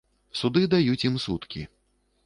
Суды даюць ім суткі.